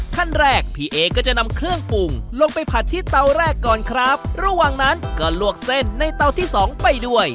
ขั้นแรกพี่เอก็จะนำเครื่องปรุงลงไปผัดที่เตาแรกก่อนครับระหว่างนั้นก็ลวกเส้นในเตาที่สองไปด้วย